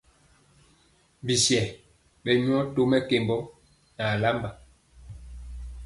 Bisɛ ɓɛ nyɔ to mɛkembɔ nɛ alamba.